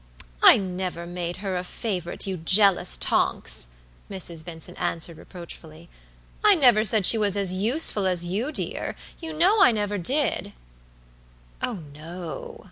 "I never made her a favorite, you jealous Tonks," Mrs. Vincent answered, reproachfully. "I never said she was as useful as you, dear. You know I never did." "Oh, no!"